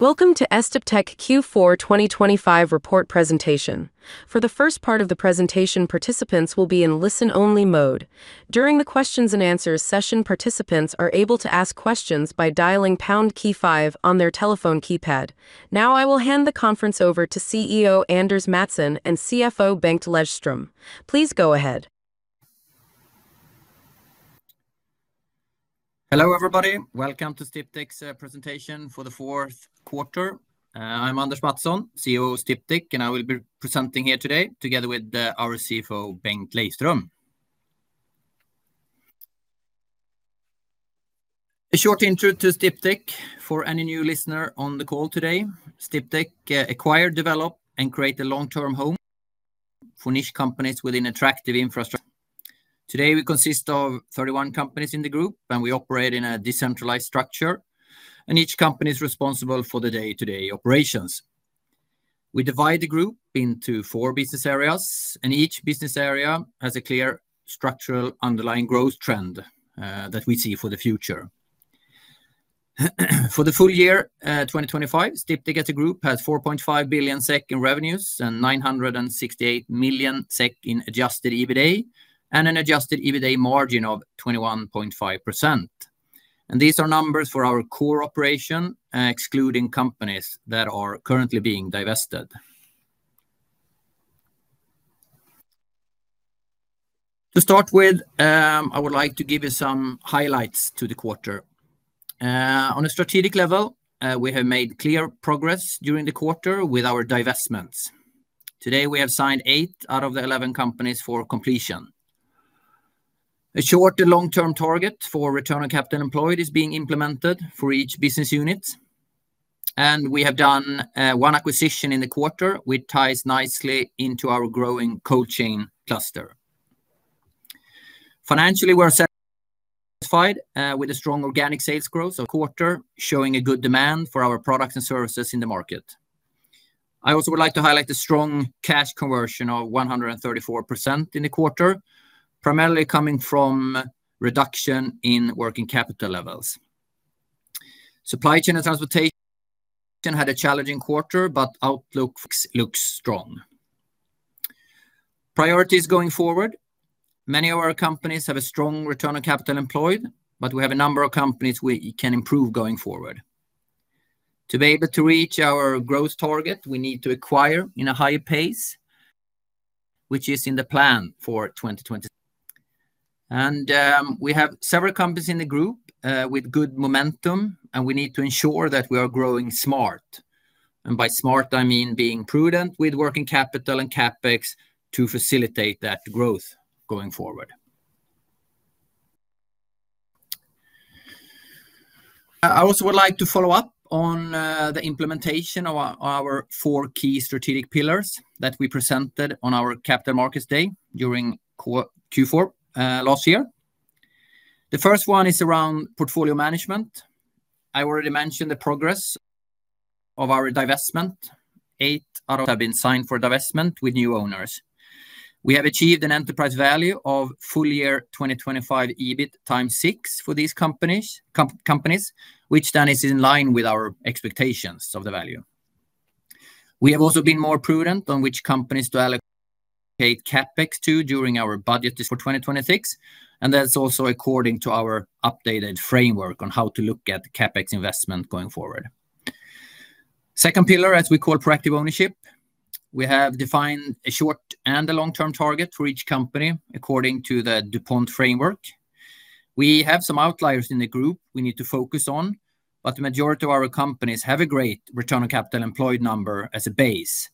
Welcome to Sdiptech Q4 2025 report presentation. For the first part of the presentation, participants will be in listen-only mode. During the questions-and-answers session, participants are able to ask questions by dialing pound key five on their telephone keypad. Now I will hand the conference over to CEO Anders Mattsson and CFO Bengt Lejdström. Please go ahead. Hello everybody, welcome to Sdiptech's presentation for the fourth quarter. I'm Anders Mattsson, CEO of Sdiptech, and I will be presenting here today together with our CFO Bengt Lejdström. A short intro to Sdiptech for any new listener on the call today: Sdiptech acquires, develops, and creates a long-term home for niche companies within attractive infrastructure. Today we consist of 31 companies in the group, and we operate in a decentralized structure, and each company is responsible for the day-to-day operations. We divide the group into four business areas, and each business area has a clear structural underlying growth trend that we see for the future. For the full year 2025, Sdiptech as a group has 4.5 billion SEK in revenues and 968 million SEK in adjusted EBITDA, and an adjusted EBITDA margin of 21.5%. These are numbers for our core operation, excluding companies that are currently being divested. To start with, I would like to give you some highlights to the quarter. On a strategic level, we have made clear progress during the quarter with our divestments. Today we have signed 8 out of the 11 companies for completion. A short- and long-term target for return on capital employed is being implemented for each business unit, and we have done one acquisition in the quarter, which ties nicely into our growing Cold Chain cluster. Financially, we are satisfied with a strong organic sales growth of the quarter, showing a good demand for our products and services in the market. I also would like to highlight the strong cash conversion of 134% in the quarter, primarily coming from reduction in working capital levels. Supply Chain & Transportation had a challenging quarter, but outlook looks strong. Priorities going forward: many of our companies have a strong return on capital employed, but we have a number of companies we can improve going forward. To be able to reach our growth target, we need to acquire in a higher pace, which is in the plan for 2026. We have several companies in the group with good momentum, and we need to ensure that we are growing smart. By smart, I mean being prudent with working capital and CapEx to facilitate that growth going forward. I also would like to follow up on the implementation of our four key strategic pillars that we presented on our Capital Markets Day during Q4 last year. The first one is around portfolio management. I already mentioned the progress of our divestment: 8 out of them have been signed for divestment with new owners. We have achieved an enterprise value of full year 2025 EBIT times 6x for these companies, which then is in line with our expectations of the value. We have also been more prudent on which companies to allocate CapEx to during our budget for 2026, and that's also according to our updated framework on how to look at CapEx investment going forward. Second pillar, as we call proactive ownership, we have defined a short and a long-term target for each company according to the DuPont framework. We have some outliers in the group we need to focus on, but the majority of our companies have a great return on capital employed number as a base.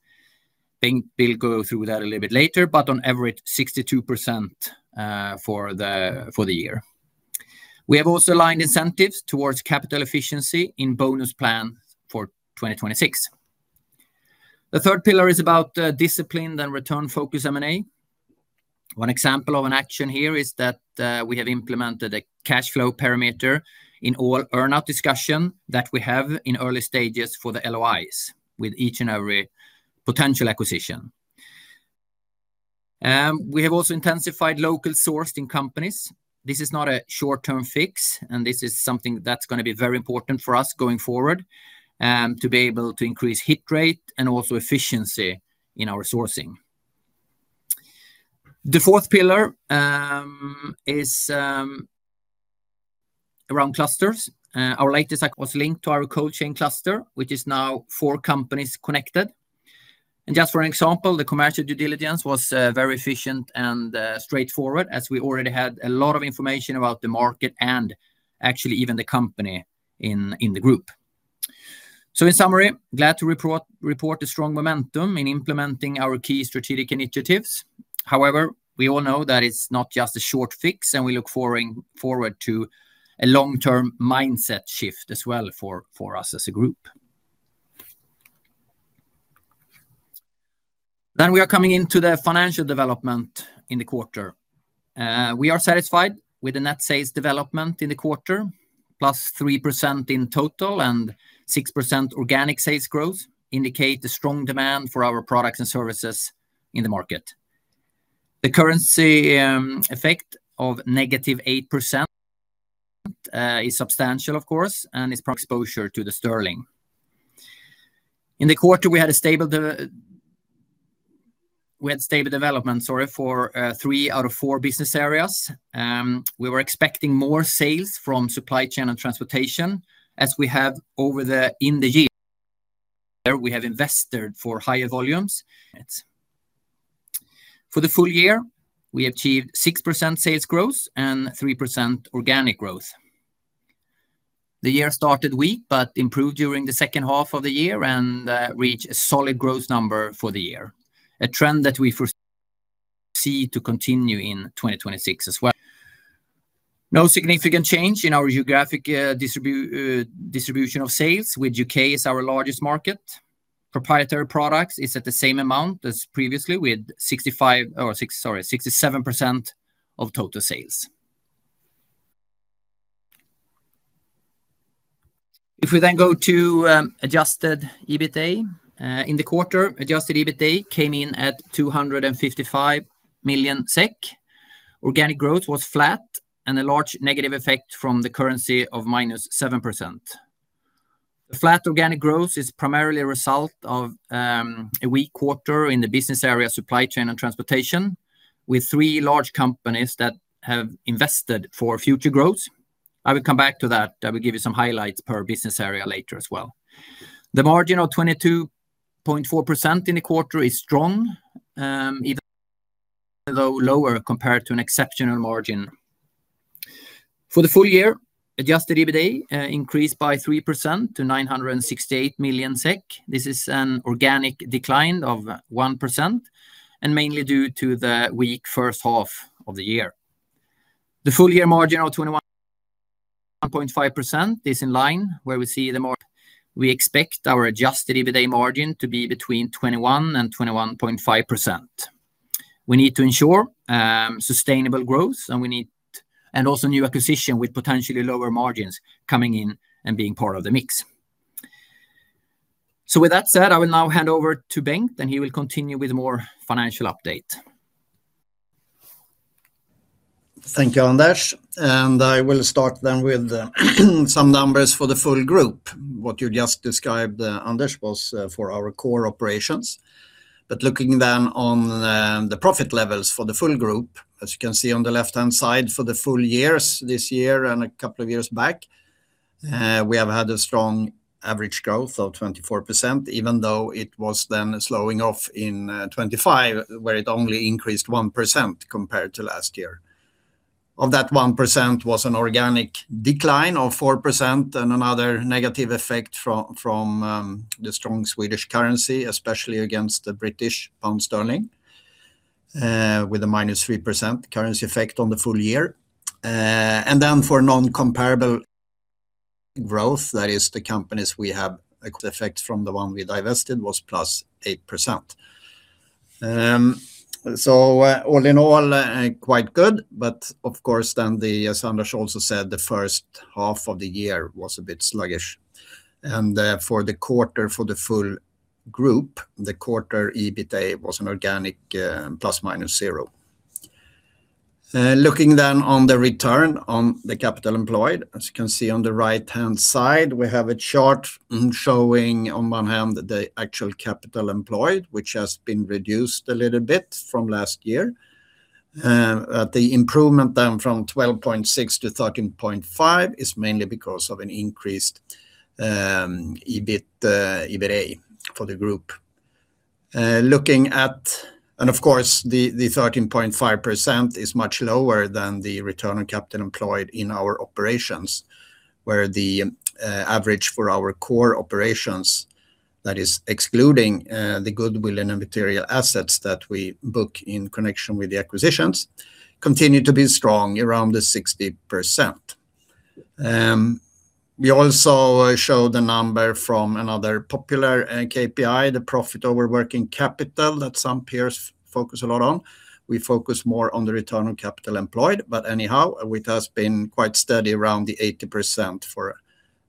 Bengt will go through that a little bit later, but on average, 62% for the year. We have also aligned incentives towards capital efficiency in bonus plans for 2026. The third pillar is about discipline and return-focused M&A. One example of an action here is that we have implemented a cash flow parameter in all earnout discussions that we have in early stages for the LOIs with each and every potential acquisition. We have also intensified local sourcing companies. This is not a short-term fix, and this is something that's going to be very important for us going forward to be able to increase hit rate and also efficiency in our sourcing. The fourth pillar is around clusters. Our latest was linked to our cold chain cluster, which is now four companies connected. And just for an example, the commercial due diligence was very efficient and straightforward, as we already had a lot of information about the market and actually even the company in the group. So in summary, glad to report the strong momentum in implementing our key strategic initiatives. However, we all know that it's not just a short fix, and we look forward to a long-term mindset shift as well for us as a group. Then we are coming into the financial development in the quarter. We are satisfied with the net sales development in the quarter: +3% in total and 6% organic sales growth indicate the strong demand for our products and services in the market. The currency effect of -8% is substantial, of course, and is exposure to the sterling. In the quarter, we had a stable development for 3 out of 4 business areas. We were expecting more sales from Supply Chain & Transportation as we have over the year. We have invested for higher volumes. For the full year, we achieved 6% sales growth and 3% organic growth. The year started weak but improved during the second half of the year and reached a solid growth number for the year, a trend that we foresee to continue in 2026 as well. No significant change in our geographic distribution of sales, with the UK as our largest market. Proprietary products are at the same amount as previously, with 67% of total sales. If we then go to Adjusted EBITDA in the quarter, Adjusted EBITDA came in at 255 million SEK. Organic growth was flat and a large negative effect from the currency of -7%. The flat organic growth is primarily a result of a weak quarter in the business area Supply Chain & Transportation, with three large companies that have invested for future growth. I will come back to that. I will give you some highlights per business area later as well. The margin of 22.4% in the quarter is strong, even though lower compared to an exceptional margin. For the full year, Adjusted EBITDA increased by 3% to 968 million SEK. This is an organic decline of 1% and mainly due to the weak first half of the year. The full year margin of 21.5% is in line where we see the margin. We expect our Adjusted EBITDA margin to be between 21% and 21.5%. We need to ensure sustainable growth, and we need also new acquisitions with potentially lower margins coming in and being part of the mix. So with that said, I will now hand over to Bengt, and he will continue with more financial update. Thank you, Anders. I will start then with some numbers for the full group. What you just described, Anders, was for our core operations. Looking then on the profit levels for the full group, as you can see on the left-hand side for the full years this year and a couple of years back, we have had a strong average growth of 24%, even though it was then slowing off in 2025 where it only increased 1% compared to last year. Of that 1%, there was an organic decline of 4% and another negative effect from the strong Swedish currency, especially against the British pound sterling, with a -3% currency effect on the full year. Then for non-comparable growth, that is, the companies we have acquired, the effect from the one we divested was +8%. All in all, quite good. But of course, then the, as Anders also said, the first half of the year was a bit sluggish. For the quarter for the full group, the quarter EBITDA was an organic ±0. Looking then on the return on the capital employed, as you can see on the right-hand side, we have a chart showing, on one hand, the actual capital employed, which has been reduced a little bit from last year. The improvement then from 12.6 to 13.5 is mainly because of an increased EBITDA for the group. Of course, the 13.5% is much lower than the return on capital employed in our operations, where the average for our core operations, that is, excluding the goodwill and material assets that we book in connection with the acquisitions, continued to be strong around 60%. We also show the number from another popular KPI, the profit over working capital, that some peers focus a lot on. We focus more on the return on capital employed, but anyhow, it has been quite steady around 80% for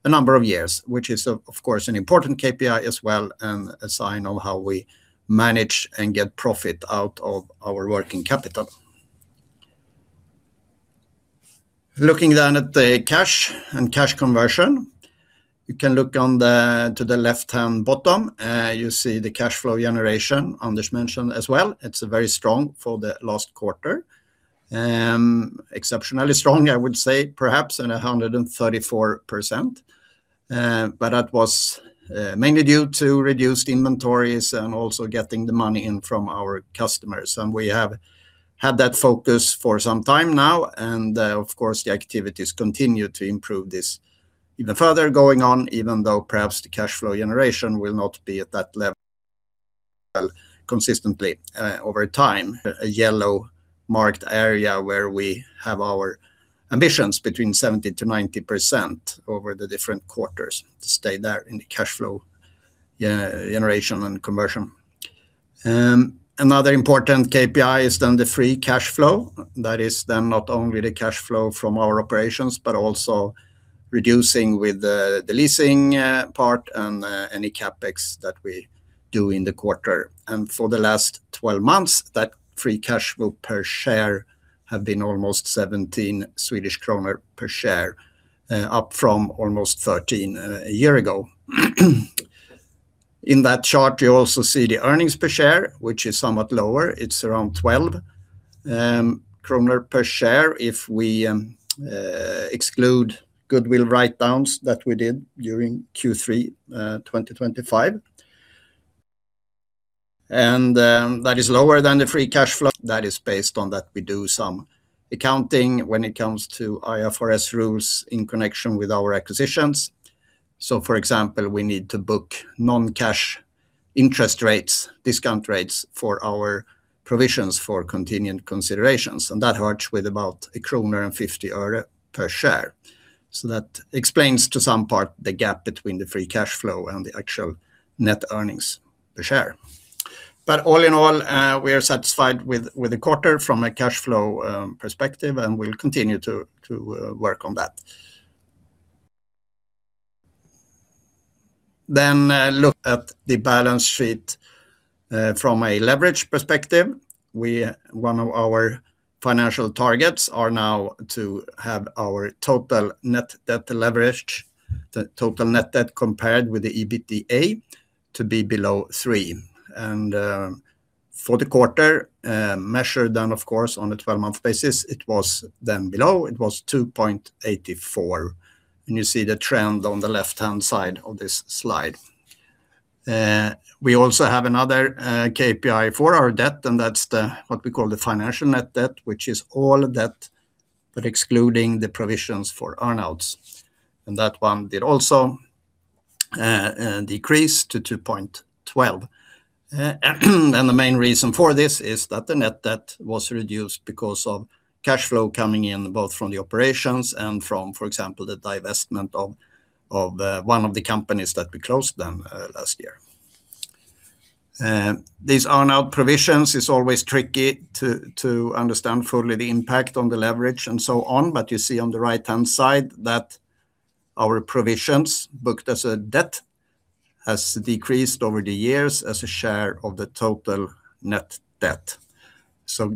a number of years, which is, of course, an important KPI as well and a sign of how we manage and get profit out of our working capital. Looking then at the cash and cash conversion, you can look to the left-hand bottom. You see the cash flow generation Anders mentioned as well. It's very strong for the last quarter, exceptionally strong, I would say, perhaps at 134%. But that was mainly due to reduced inventories and also getting the money in from our customers. We have had that focus for some time now. Of course, the activities continue to improve this even further going on, even though perhaps the cash flow generation will not be at that level consistently over time. A yellow-marked area where we have our ambitions between 70%-90% over the different quarters to stay there in the cash flow generation and conversion. Another important KPI is then the free cash flow. That is then not only the cash flow from our operations but also reducing with the leasing part and any CapEx that we do in the quarter. For the last 12 months, that free cash flow per share has been almost 17 Swedish kronor per share, up from almost 13 SEK a year ago. In that chart, you also see the earnings per share, which is somewhat lower. It's around 12 kronor per share if we exclude goodwill write-downs that we did during Q3 2025. That is lower than the free cash flow. That is based on that we do some accounting when it comes to IFRS rules in connection with our acquisitions. So for example, we need to book non-cash interest rates, discount rates for our provisions for continued considerations. And that hurts with about SEK 1.50 per share. So that explains to some part the gap between the free cash flow and the actual net earnings per share. But all in all, we are satisfied with the quarter from a cash flow perspective and will continue to work on that. Then look at the balance sheet from a leverage perspective. One of our financial targets is now to have our total net debt leverage, the total net debt compared with the EBITDA, to be below 3. For the quarter, measured then, of course, on a 12-month basis, it was then below. It was 2.84. You see the trend on the left-hand side of this slide. We also have another KPI for our debt, and that's what we call the financial net debt, which is all debt but excluding the provisions for earnouts. That one did also decrease to 2.12. The main reason for this is that the net debt was reduced because of cash flow coming in both from the operations and from, for example, the divestment of one of the companies that we closed then last year. These earnout provisions are always tricky to understand fully, the impact on the leverage and so on. You see on the right-hand side that our provisions booked as a debt have decreased over the years as a share of the total net debt.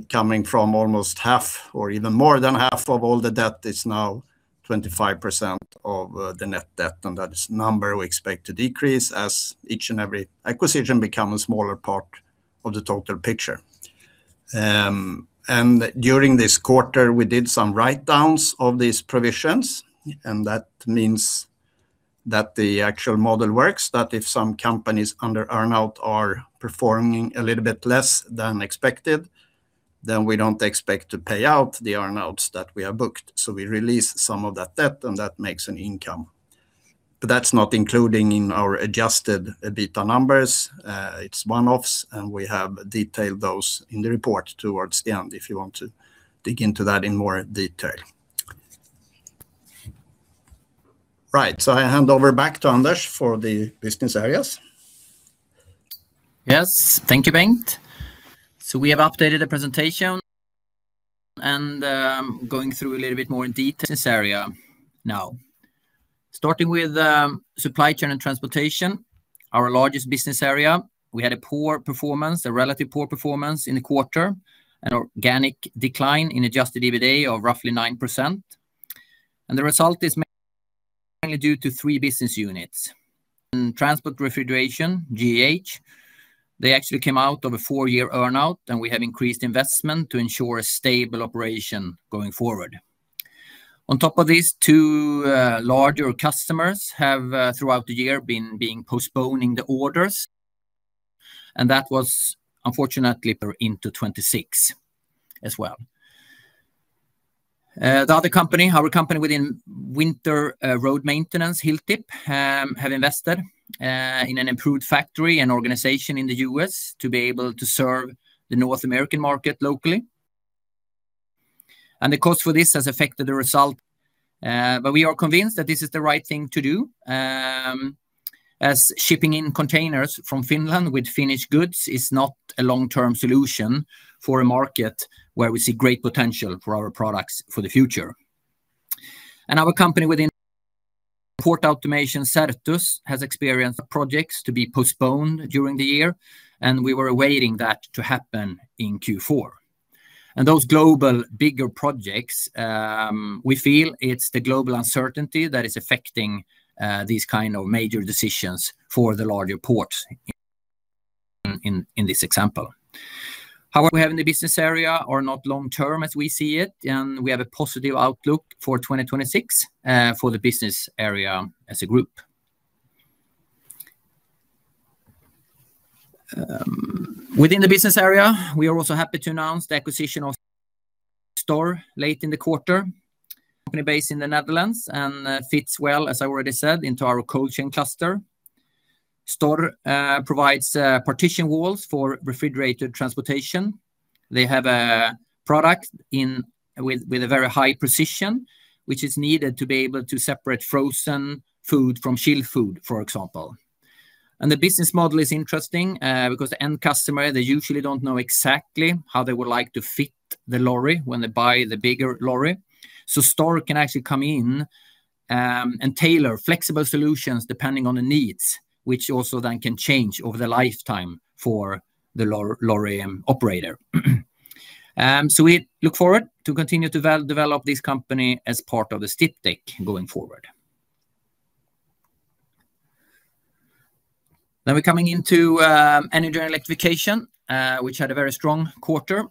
Coming from almost half or even more than half of all the debt is now 25% of the net debt. That is a number we expect to decrease as each and every acquisition becomes a smaller part of the total picture. During this quarter, we did some write-downs of these provisions. That means that the actual model works, that if some companies under earnout are performing a little bit less than expected, then we don't expect to pay out the earnouts that we have booked. We release some of that debt, and that makes an income. But that's not including in our Adjusted EBITDA numbers. It's one-offs, and we have detailed those in the report towards the end if you want to dig into that in more detail. Right. So I hand over back to Anders for the business areas. Yes. Thank you, Bengt. So we have updated the presentation and going through a little bit more in detail. Business area now. Starting with Supply Chain & Transportation, our largest business area, we had a poor performance, a relatively poor performance in the quarter, an organic decline in Adjusted EBITDA of roughly 9%. And the result is mainly due to three business units. Transport Refrigeration, GAH, they actually came out of a four-year earnout, and we have increased investment to ensure a stable operation going forward. On top of this, two larger customers have throughout the year been postponing the orders. And that was unfortunately into 2026 as well. The other company, our company within Winter Road Maintenance, Hilltip, have invested in an improved factory and organization in the US to be able to serve the North American market locally. And the cost for this has affected the result. But we are convinced that this is the right thing to do, as shipping in containers from Finland with Finnish goods is not a long-term solution for a market where we see great potential for our products for the future. And our company within Port Automation, Certus, has experienced projects to be postponed during the year, and we were awaiting that to happen in Q4. And those global bigger projects, we feel it's the global uncertainty that is affecting these kinds of major decisions for the larger ports in this example. However, we have in the business area are not long-term as we see it, and we have a positive outlook for 2026 for the business area as a group. Within the business area, we are also happy to announce the acquisition of Storr late in the quarter, company based in the Netherlands, and fits well, as I already said, into our Cold Chain cluster. Storr provides partition walls for refrigerated transportation. They have a product with a very high precision, which is needed to be able to separate frozen food from chilled food, for example. And the business model is interesting because the end customer, they usually don't know exactly how they would like to fit the lorry when they buy the bigger lorry. So Storr can actually come in and tailor flexible solutions depending on the needs, which also then can change over the lifetime for the lorry operator. So we look forward to continue to develop this company as part of the Sdiptech going forward. Then we're coming into Energy & Electrification, which had a very strong quarter.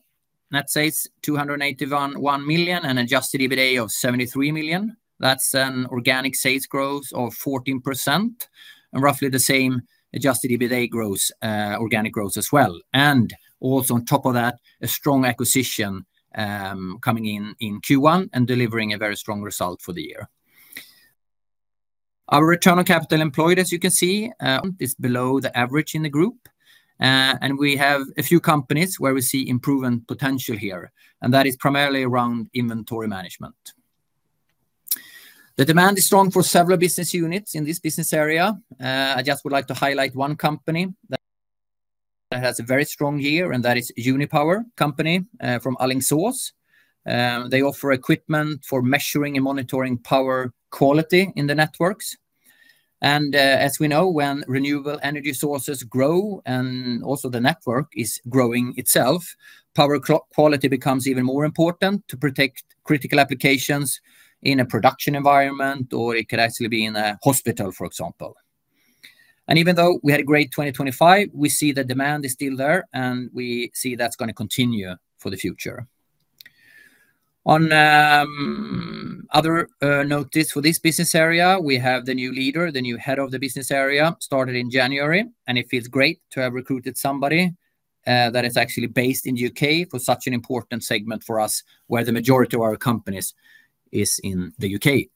Net sales 281 million and Adjusted EBITDA of 73 million. That's an organic sales growth of 14% and roughly the same Adjusted EBITDA organic growth as well. And also on top of that, a strong acquisition coming in Q1 and delivering a very strong result for the year. Our return on capital employed, as you can see, is below the average in the group. And we have a few companies where we see improvement potential here, and that is primarily around inventory management. The demand is strong for several business units in this business area. I just would like to highlight one company that has a very strong year, and that is Unipower. Company from Alingsås. They offer equipment for measuring and monitoring power quality in the networks. As we know, when renewable energy sources grow and also the network is growing itself, power quality becomes even more important to protect critical applications in a production environment, or it could actually be in a hospital, for example. Even though we had a great 2025, we see that demand is still there, and we see that's going to continue for the future. On another note for this business area, we have the new leader, the new head of the business area, started in January. It feels great to have recruited somebody that is actually based in the UK for such an important segment for us where the majority of our companies is in the UK.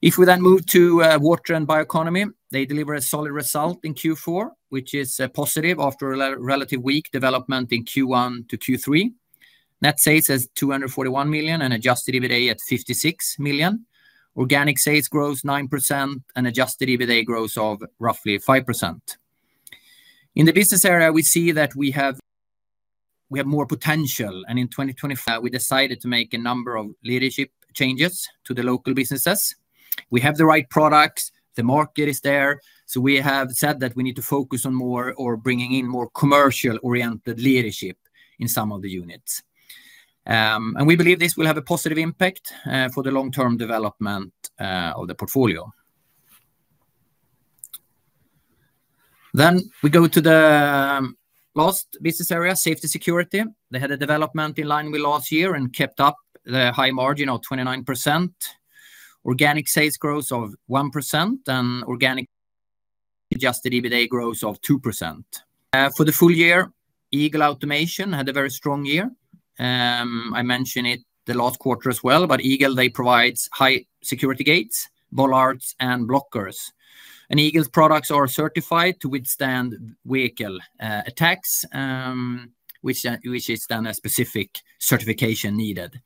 If we then move to Water & Bioeconomy, they deliver a solid result in Q4, which is positive after a relatively weak development in Q1 to Q3. Net sales at 241 million and Adjusted EBITDA at 56 million. Organic sales grows 9% and Adjusted EBITDA grows of roughly 5%. In the business area, we see that we have more potential. In 2024, we decided to make a number of leadership changes to the local businesses. We have the right products. The market is there. So we have said that we need to focus on more or bringing in more commercial-oriented leadership in some of the units. We believe this will have a positive impact for the long-term development of the portfolio. Then we go to the last business area, Safety & Security. They had a development in line with last year and kept up the high margin of 29%. Organic sales growth of 1% and organic Adjusted EBITDA growth of 2%. For the full year, Eagle Automation had a very strong year. I mentioned it the last quarter as well. But Eagle, they provide high security gates, bollards, and blockers. Eagle's products are certified to withstand vehicle attacks, which is then a specific certification needed.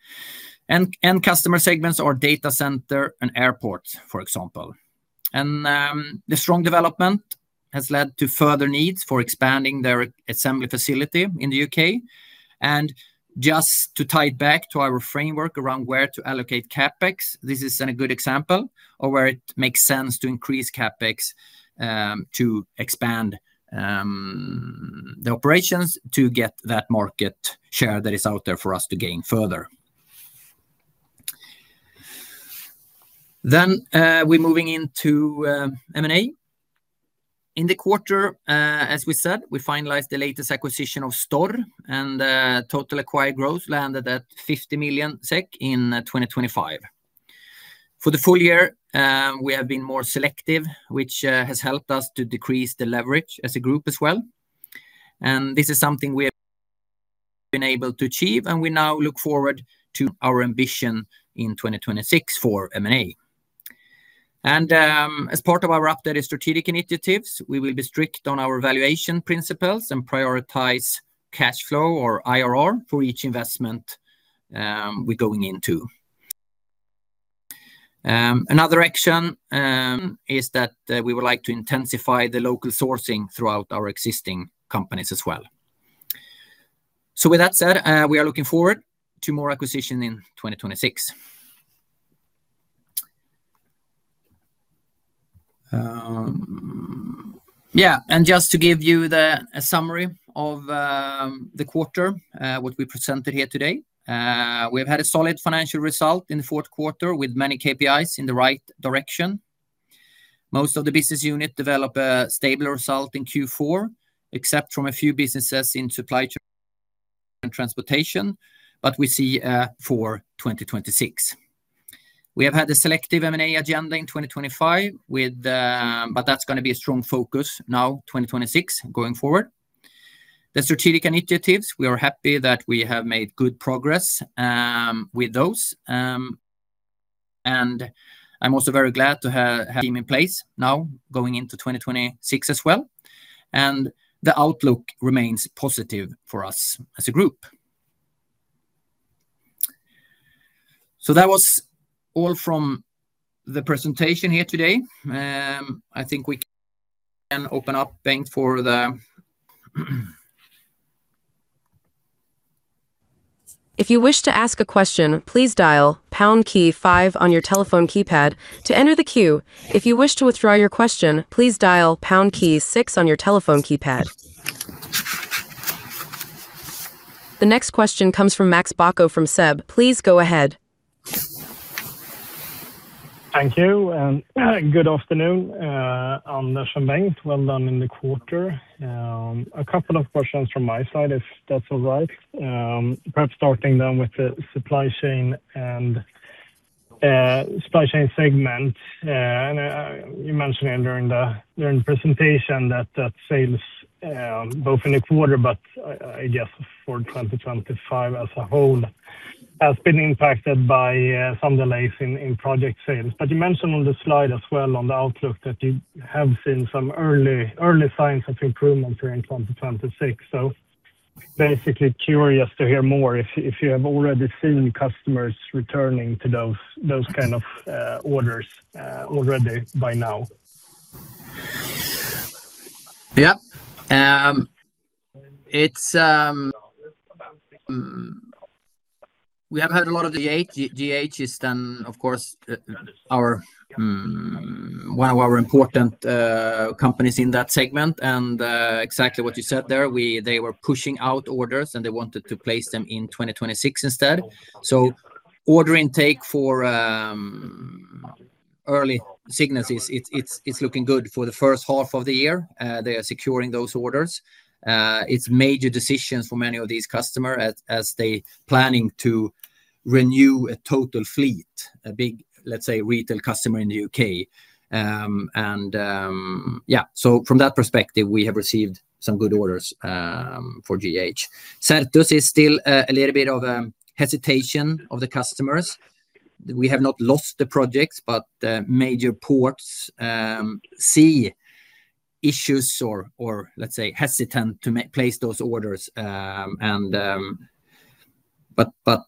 Customer segments are data center and airports, for example. The strong development has led to further needs for expanding their assembly facility in the U.K. Just to tie it back to our framework around where to allocate CapEx, this is a good example of where it makes sense to increase CapEx to expand the operations to get that market share that is out there for us to gain further. Then we're moving into M&A. In the quarter, as we said, we finalized the latest acquisition of Storr, and total acquired growth landed at 50 million SEK in 2025. For the full year, we have been more selective, which has helped us to decrease the leverage as a group as well. This is something we have been able to achieve, and we now look forward to our ambition in 2026 for M&A. As part of our updated strategic initiatives, we will be strict on our valuation principles and prioritize cash flow or IRR for each investment we're going into. Another action is that we would like to intensify the local sourcing throughout our existing companies as well. With that said, we are looking forward to more acquisition in 2026. Yeah. Just to give you a summary of the quarter, what we presented here today, we have had a solid financial result in the fourth quarter with many KPIs in the right direction. Most of the business unit developed a stable result in Q4, except from a few businesses in Supply Chain & Transportation. But we see for 2026. We have had a selective M&A agenda in 2025, but that's going to be a strong focus now, 2026, going forward. The strategic initiatives, we are happy that we have made good progress with those. And I'm also very glad to have a team in place now going into 2026 as well. And the outlook remains positive for us as a group. So that was all from the presentation here today. I think we can open up, Bengt, for the. If you wish to ask a question, please dial pound key 5 on your telephone keypad to enter the queue. If you wish to withdraw your question, please dial pound key 6 on your telephone keypad. The next question comes from Max Bäck from SEB. Please go ahead. Thank you. Good afternoon, Anders and Bengt. Well done in the quarter. A couple of questions from my side, if that's all right. Perhaps starting then with the supply chain and supply chain segment. You mentioned during the presentation that sales, both in the quarter but I guess for 2025 as a whole, has been impacted by some delays in project sales. You mentioned on the slide as well, on the outlook, that you have seen some early signs of improvement here in 2026. Basically, curious to hear more if you have already seen customers returning to those kind of orders already by now. Yep. We have heard a lot of GHA is then, of course, one of our important companies in that segment. And exactly what you said there, they were pushing out orders, and they wanted to place them in 2026 instead. So order intake for early signals is looking good for the first half of the year. They are securing those orders. It's major decisions for many of these customers as they're planning to renew a total fleet, a big, let's say, retail customer in the UK. And yeah, so from that perspective, we have received some good orders for GHA. Certus is still a little bit of a hesitation of the customers. We have not lost the projects, but major ports see issues or, let's say, hesitant to place those orders. But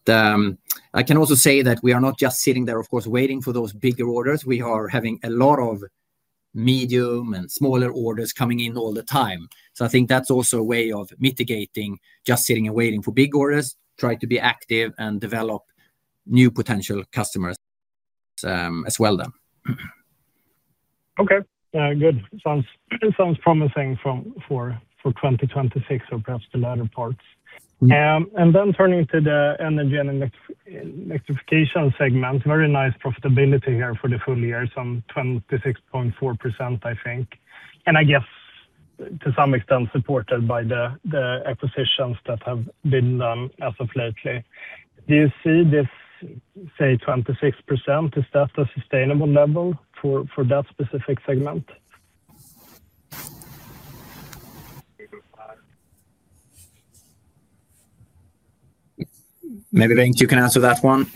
I can also say that we are not just sitting there, of course, waiting for those bigger orders. We are having a lot of medium and smaller orders coming in all the time. So I think that's also a way of mitigating just sitting and waiting for big orders, trying to be active and develop new potential customers as well then. Okay. Good. Sounds promising for 2026 or perhaps the latter parts. And then turning to the energy and electrification segment, very nice profitability here for the full year, some 26.4%, I think. And I guess to some extent supported by the acquisitions that have been done as of lately. Do you see this, say, 26%, is that a sustainable level for that specific segment? Maybe Bengt, you can answer that one.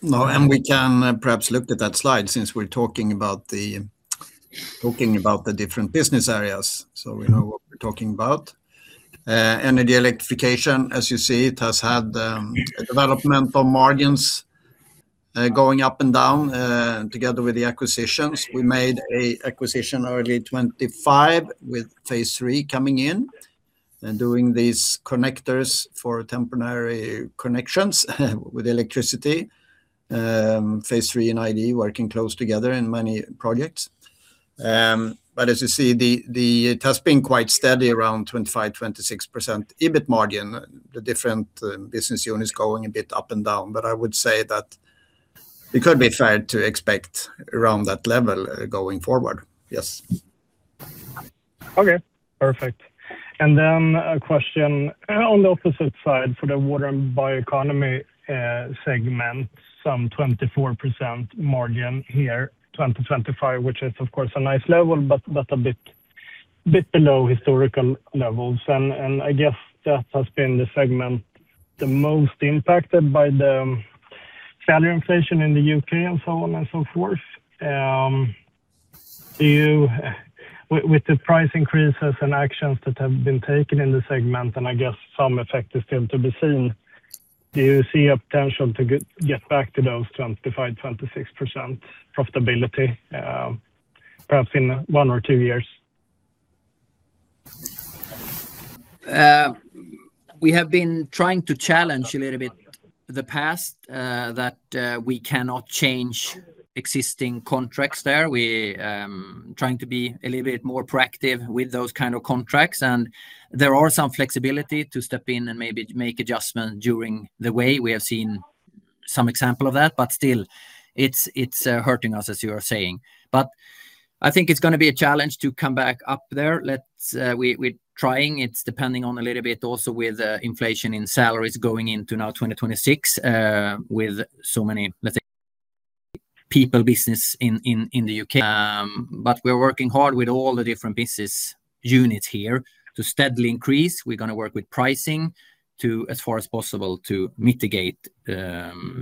No. We can perhaps look at that slide since we're talking about the different business areas so we know what we're talking about. Energy electrification, as you see, it has had a developmental margins going up and down together with the acquisitions. We made an acquisition early 2025 with phase III coming in and doing these connectors for temporary connections with electricity. Phase III and IDE working close together in many projects. But as you see, it has been quite steady around 25%-26% EBIT margin, the different business units going a bit up and down. But I would say that it could be fair to expect around that level going forward. Yes. Okay. Perfect. And then a question on the opposite side for the Water & Bioeconomy segment, some 24% margin here 2025, which is, of course, a nice level but a bit below historical levels. And I guess that has been the segment the most impacted by the value inflation in the UK and so on and so forth. With the price increases and actions that have been taken in the segment, and I guess some effect is still to be seen, do you see a potential to get back to those 25%-26% profitability perhaps in one or two years? We have been trying to challenge a little bit the past that we cannot change existing contracts there. We're trying to be a little bit more proactive with those kind of contracts. And there is some flexibility to step in and maybe make adjustments during the way. We have seen some example of that. But still, it's hurting us, as you are saying. But I think it's going to be a challenge to come back up there. We're trying. It's depending on a little bit also with inflation in salaries going into now 2026 with so many, let's say, people business in the UK. But we are working hard with all the different business units here to steadily increase. We're going to work with pricing as far as possible to mitigate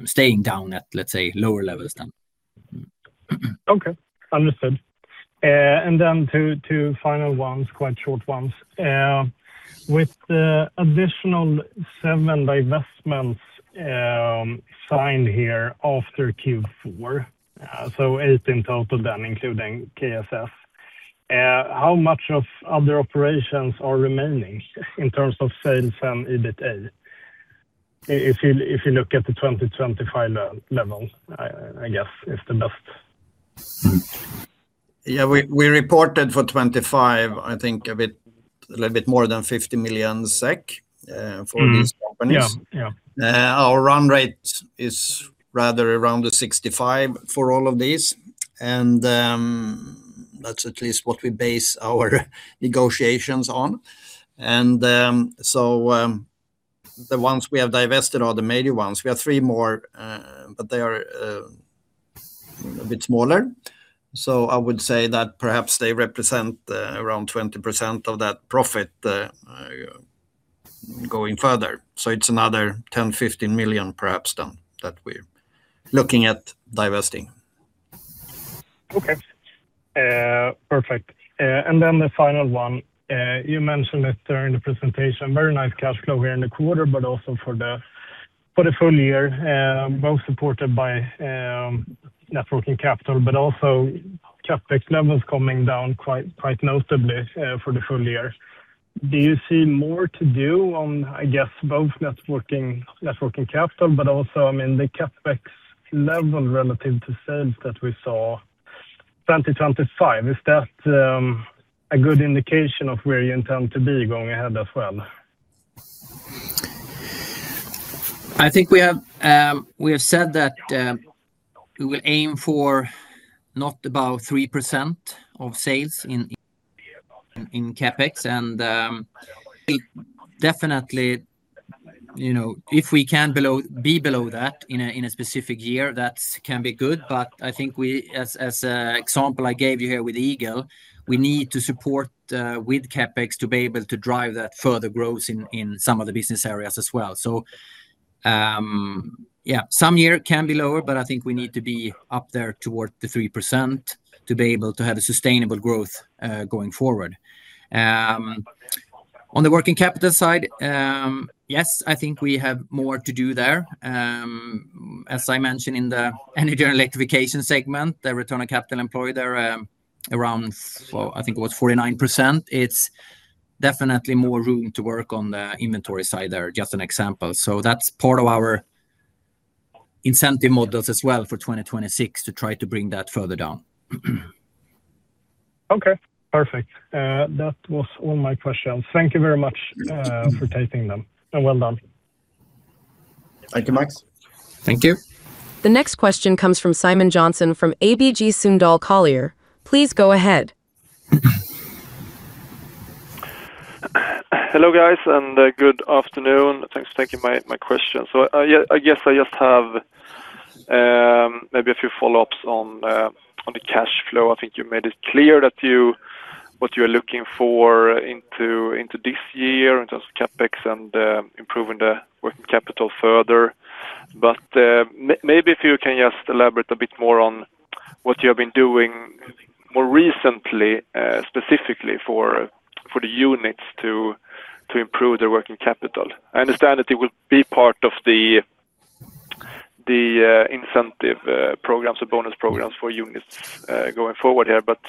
staying down at, let's say, lower levels then. Okay. Understood. And then two final ones, quite short ones. With the additional seven investments signed here after Q4, so eight in total then including KSS, how much of other operations are remaining in terms of sales and EBITDA if you look at the 2025 level, I guess, is the best? Yeah. We reported for 2025, I think, a little bit more than 50 million SEK for these companies. Our run rate is rather around the 65 for all of these. That's at least what we base our negotiations on. So the ones we have divested are the major ones. We have three more, but they are a bit smaller. So I would say that perhaps they represent around 20% of that profit going further. It's another 10 million-15 million perhaps then that we're looking at divesting. Okay. Perfect. And then the final one. You mentioned it during the presentation, very nice cash flow here in the quarter, but also for the full year, both supported by working capital, but also CapEx levels coming down quite notably for the full year. Do you see more to do on, I guess, both working capital but also, I mean, the CapEx level relative to sales that we saw 2025? Is that a good indication of where you intend to be going ahead as well? I think we have said that we will aim for not about 3% of sales in CapEx. And definitely, if we can be below that in a specific year, that can be good. But I think, as an example I gave you here with Eagle, we need to support with CapEx to be able to drive that further growth in some of the business areas as well. So yeah, some year can be lower, but I think we need to be up there towards the 3% to be able to have a sustainable growth going forward. On the working capital side, yes, I think we have more to do there. As I mentioned in the energy and electrification segment, the return on capital employed there around, I think it was 49%. It's definitely more room to work on the inventory side there, just an example. So that's part of our incentive models as well for 2026 to try to bring that further down. Okay. Perfect. That was all my questions. Thank you very much for taking them. And well done. Thank you, Max. Thank you. The next question comes from Simon Jönsson from ABG Sundal Collier. Please go ahead. Hello, guys, and good afternoon. Thanks for taking my question. So I guess I just have maybe a few follow-ups on the cash flow. I think you made it clear what you are looking for into this year in terms of CapEx and improving the working capital further. But maybe if you can just elaborate a bit more on what you have been doing more recently, specifically for the units to improve their working capital. I understand that it will be part of the incentive programs or bonus programs for units going forward here. But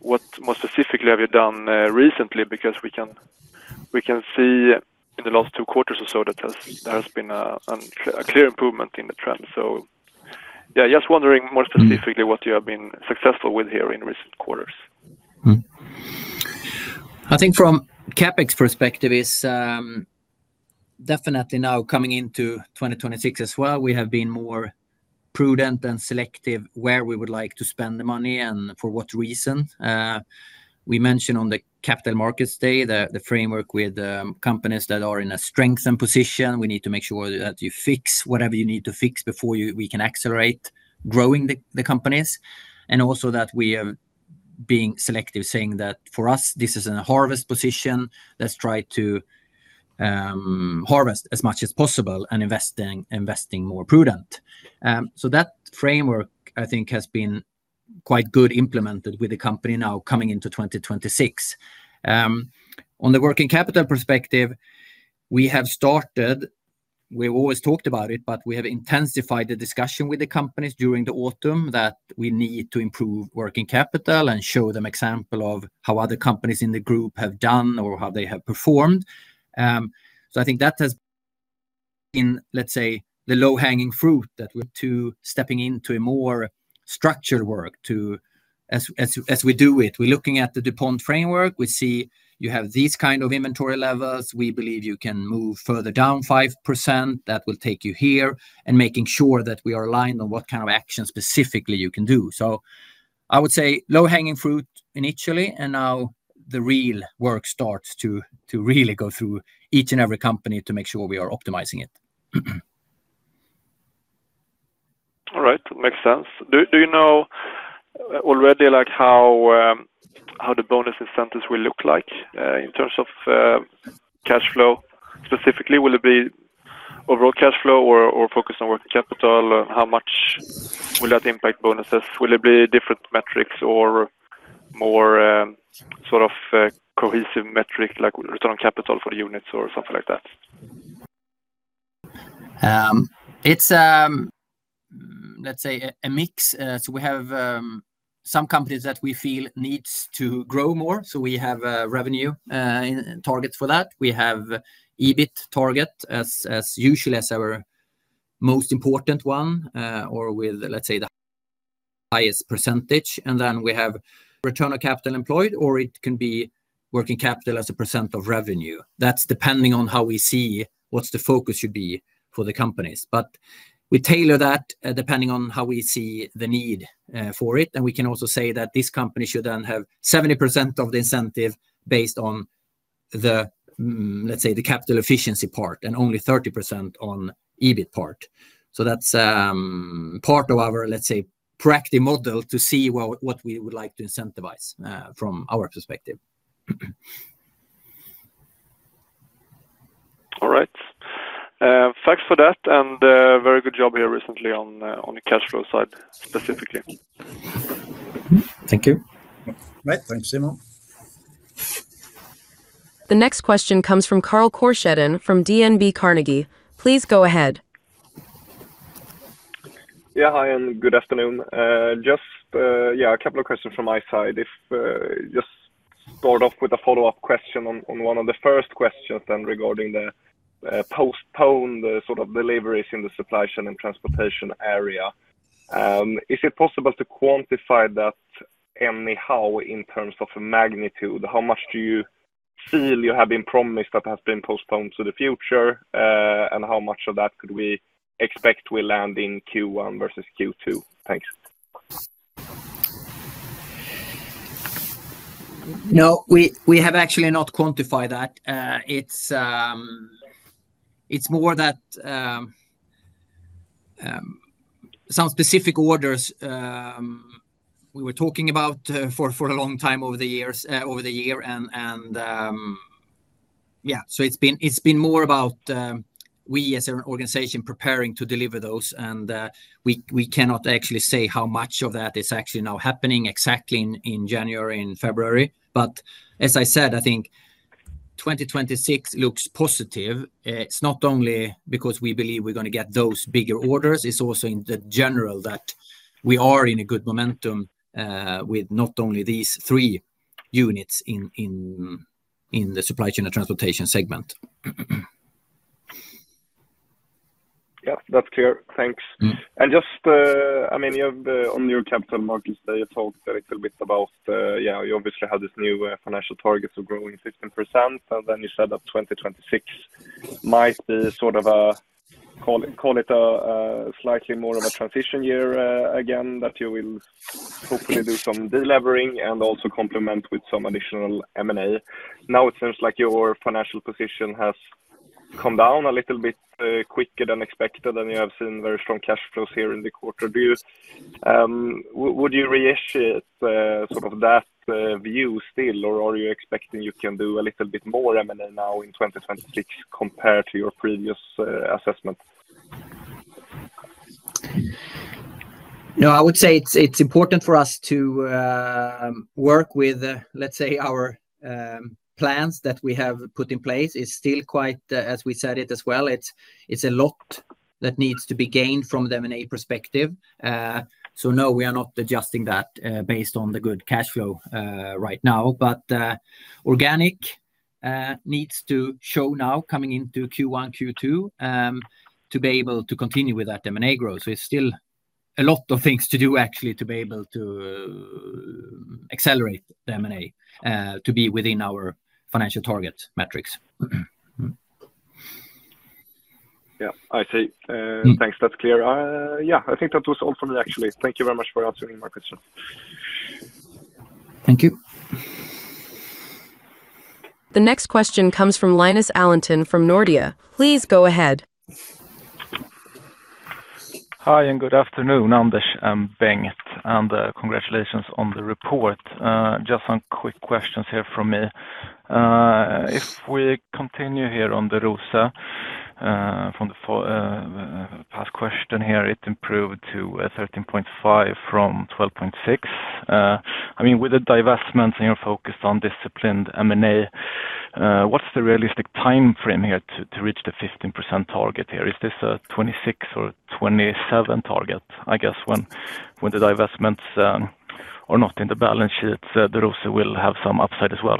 what more specifically have you done recently? Because we can see in the last two quarters or so that there has been a clear improvement in the trend. So yeah, just wondering more specifically what you have been successful with here in recent quarters. I think from CapEx perspective, it's definitely now coming into 2026 as well. We have been more prudent and selective where we would like to spend the money and for what reason. We mentioned on the Capital Markets Day the framework with companies that are in a strengthened position. We need to make sure that you fix whatever you need to fix before we can accelerate growing the companies. And also that we are being selective, saying that for us, this is a harvest position. Let's try to harvest as much as possible and investing more prudent. So that framework, I think, has been quite good implemented with the company now coming into 2026. On the working capital perspective, we have started we've always talked about it, but we have intensified the discussion with the companies during the autumn that we need to improve working capital and show them example of how other companies in the group have done or how they have performed. So I think that has, let's say, the low-hanging fruit that. Into stepping into a more structured work as we do it. We're looking at the DuPont framework. We see you have these kind of inventory levels. We believe you can move further down 5%. That will take you here. And making sure that we are aligned on what kind of action specifically you can do. So I would say low-hanging fruit initially, and now the real work starts to really go through each and every company to make sure we are optimizing it. All right. Makes sense. Do you know already how the bonus incentives will look like in terms of cash flow specifically? Will it be overall cash flow or focus on working capital? How much will that impact bonuses? Will it be different metrics or more sort of cohesive metrics like return on capital for the units or something like that? It's, let's say, a mix. So we have some companies that we feel need to grow more. So we have revenue targets for that. We have EBIT target usually as our most important one or with, let's say, the highest percentage. And then we have return on capital employed, or it can be working capital as a percent of revenue. That's depending on how we see what's the focus should be for the companies. But we tailor that depending on how we see the need for it. And we can also say that this company should then have 70% of the incentive based on, let's say, the capital efficiency part and only 30% on EBIT part. So that's part of our, let's say, proactive model to see what we would like to incentivize from our perspective. All right. Thanks for that. Very good job here recently on the cash flow side specifically. Thank you. Right. Thanks, Simon. The next question comes from Carl Korsheden from DNB Carnegie. Please go ahead. Yeah. Hi, and good afternoon. Just, yeah, a couple of questions from my side. I'll just start off with a follow-up question on one of the first questions, then regarding the postponed sort of deliveries in the Supply Chain & Transportation area. Is it possible to quantify that anyhow in terms of magnitude? How much do you feel you have been promised that has been postponed to the future? And how much of that could we expect will land in Q1 versus Q2? Thanks. No, we have actually not quantified that. It's more that some specific orders we were talking about for a long time over the year. And yeah, so it's been more about we as an organization preparing to deliver those. And we cannot actually say how much of that is actually now happening exactly in January, in February. But as I said, I think 2026 looks positive. It's not only because we believe we're going to get those bigger orders. It's also in the general that we are in a good momentum with not only these three units in the Supply Chain & Transportation segment. Yep. That's clear. Thanks. And just, I mean, on your capital markets day, you talked a little bit about yeah, you obviously had this new financial target of growing 15%. And then you said that 2026 might be sort of a call it a slightly more of a transition year again that you will hopefully do some delivering and also complement with some additional M&A. Now, it seems like your financial position has come down a little bit quicker than expected and you have seen very strong cash flows here in the quarter. Would you reissue sort of that view still, or are you expecting you can do a little bit more M&A now in 2026 compared to your previous assessment? No, I would say it's important for us to work with, let's say, our plans that we have put in place. It's still quite, as we said it as well, it's a lot that needs to be gained from the M&A perspective. So no, we are not adjusting that based on the good cash flow right now. But organic needs to show now coming into Q1, Q2 to be able to continue with that M&A growth. So it's still a lot of things to do, actually, to be able to accelerate the M&A to be within our financial target metrics. Yeah. I see. Thanks. That's clear. Yeah, I think that was all from me, actually. Thank you very much for answering my question. Thank you. The next question comes from Linus Allenton from Nordea. Please go ahead. Hi, and good afternoon, Anders and Bengt. Congratulations on the report. Just some quick questions here from me. If we continue here on the ROCE from the past question here, it improved to 13.5 from 12.6. I mean, with the divestments and you're focused on disciplined M&A, what's the realistic time frame here to reach the 15% target here? Is this a 2026 or 2027 target, I guess, when the divestments are not in the balance sheets, the ROCE will have some upside as well?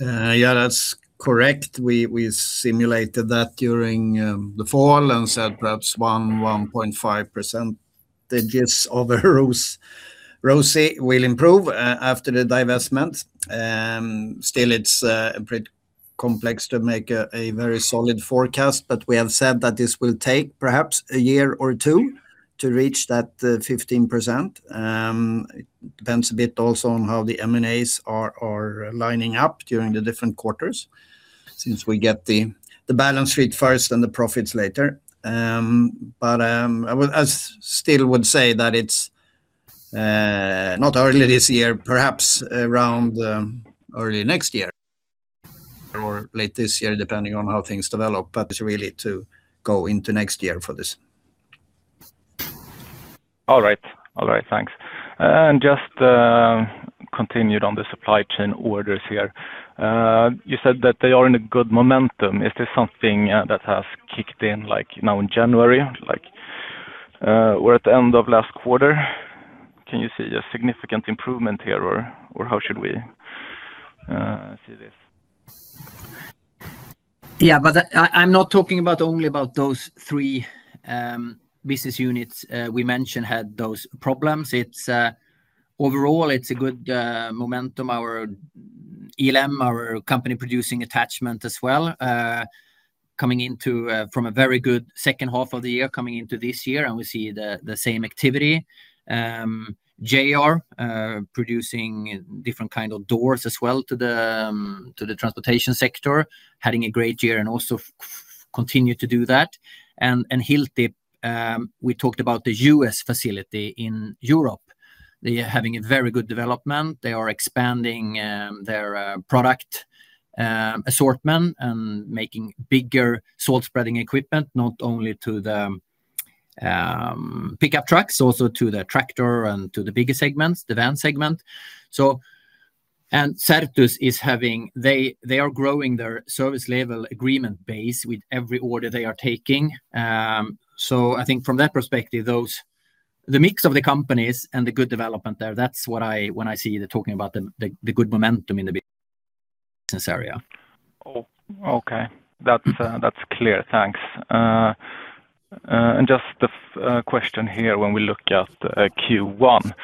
Yeah, that's correct. We simulated that during the fall and said perhaps 1-1.5% of the ROCE will improve after the divestment. Still, it's pretty complex to make a very solid forecast. But we have said that this will take perhaps a year or two to reach that 15%. It depends a bit also on how the M&As are lining up during the different quarters since we get the balance sheet first and the profits later. But I still would say that it's not early this year, perhaps around early next year or late this year, depending on how things develop. Really to go into next year for this. All right. All right. Thanks. Just continued on the supply chain orders here. You said that they are in a good momentum. Is this something that has kicked in now in January? We're at the end of last quarter. Can you see a significant improvement here, or how should we see this? Yeah, but I'm not talking only about those three business units we mentioned had those problems. Overall, it's a good momentum, our ELM, our company-producing attachment as well, coming into from a very good second half of the year coming into this year. And we see the same activity. JR, producing different kind of doors as well to the transportation sector, having a great year and also continue to do that. And Hilltip, we talked about the U.S. facility in Europe, having a very good development. They are expanding their product assortment and making bigger salt-spreading equipment, not only to the pickup trucks, also to the tractor and to the bigger segments, the van segment. And Certus is having they are growing their service level agreement base with every order they are taking. I think from that perspective, the mix of the companies and the good development there, that's what I when I see the talking about the good momentum in the business area. Oh, okay. That's clear. Thanks. Just the question here when we look at Q1,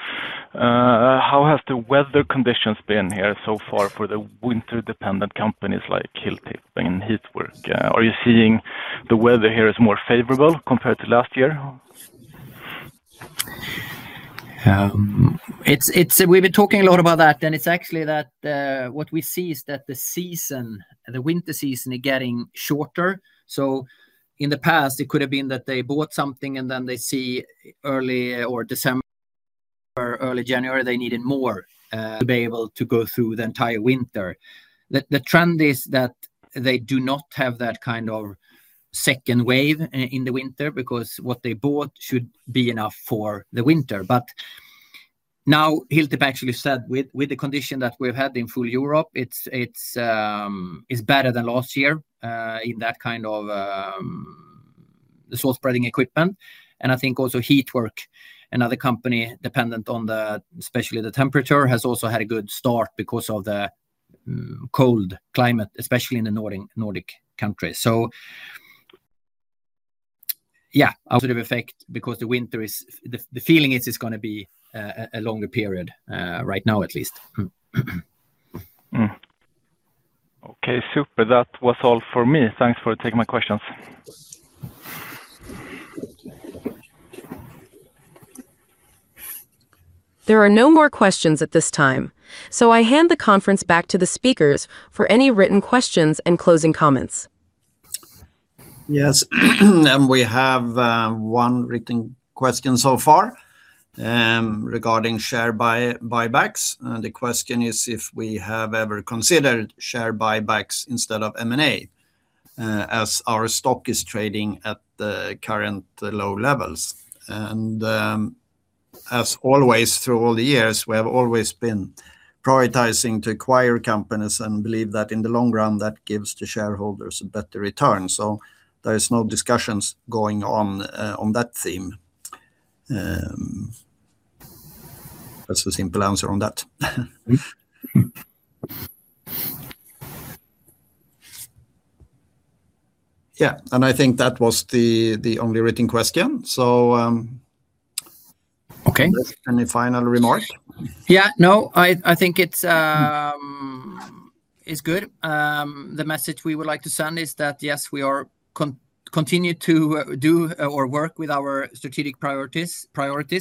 how has the weather conditions been here so far for the winter-dependent companies like Hilltip and HeatWork? Are you seeing the weather here is more favorable compared to last year? We've been talking a lot about that. It's actually that what we see is that the winter season is getting shorter. In the past, it could have been that they bought something, and then they see early December or early January, they needed more to be able to go through the entire winter. The trend is that they do not have that kind of second wave in the winter because what they bought should be enough for the winter. Now, Hilltip actually said, with the condition that we've had in full Europe, it's better than last year in that kind of the salt-spreading equipment. I think also HeatWork, another company dependent on especially the temperature, has also had a good start because of the cold climate, especially in the Nordic countries. Yeah. In effect because the winter is, the feeling is it's going to be a longer period right now, at least. Okay. Super. That was all for me. Thanks for taking my questions. There are no more questions at this time. So I hand the conference back to the speakers for any written questions and closing comments. Yes. We have one written question so far regarding share buybacks. And the question is if we have ever considered share buybacks instead of M&A as our stock is trading at the current low levels. And as always through all the years, we have always been prioritizing to acquire companies and believe that in the long run, that gives the shareholders a better return. So there are no discussions going on on that theme. That's a simple answer on that. Yeah. And I think that was the only written question. So any final remark? Yeah. No, I think it's good. The message we would like to send is that, yes, we are continue to do or work with our strategic priorities.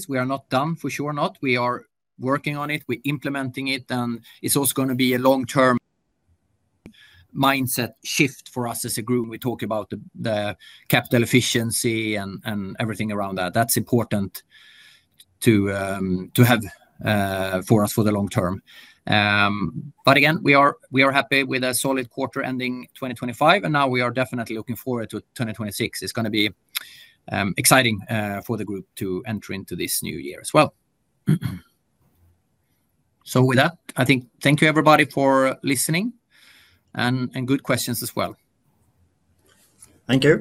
We are not done, for sure not. We are working on it. We're implementing it. And it's also going to be a long-term mindset shift for us as a group. We talk about the capital efficiency and everything around that. That's important to have for us for the long term. But again, we are happy with a solid quarter ending 2025. And now we are definitely looking forward to 2026. It's going to be exciting for the group to enter into this new year as well. So with that, I think thank you, everybody, for listening and good questions as well. Thank you.